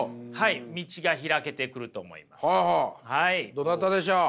どなたでしょう。